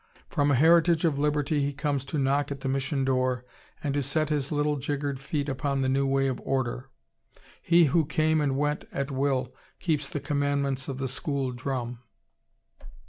From a heritage of liberty he comes to knock at the Mission door and to set his little jiggered feet upon the new way of order. He who came and went at will keeps the commandments of the school drum.